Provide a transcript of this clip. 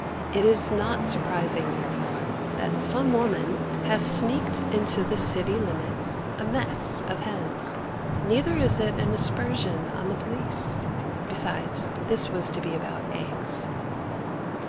It is not surprising, therefore, that some woman has sneaked into the city limits a mess of hens. Neither is it an aspersion on the police. Besides this was to be about eggs.